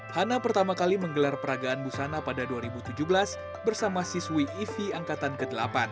hana pertama kali menggelar peragaan busana pada dua ribu tujuh belas bersama siswi ifi angkatan ke delapan